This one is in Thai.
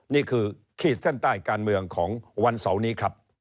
นี่คือขีดเส้นใต้การเมืองของวันเสาร์นี้ครับ